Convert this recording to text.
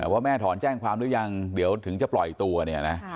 ว่าแม่ถอนแจ้งความหรือยังเดี๋ยวถึงจะปล่อยตัวเนี่ยนะ